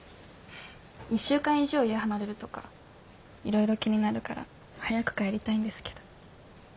１週間以上家離れるとかいろいろ気になるから早く帰りたいんですけど。